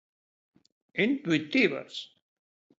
Intuitivas.